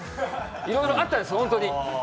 いろいろあったんです、本当に。